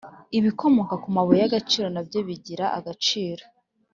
ibikomoka ku mabuye y agaciro nabyo bigira agaciro